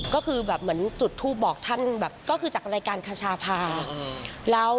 ก็คือแบบเหมือนจุดทูปบอกท่านแบบก็คือจากรายการคชาพา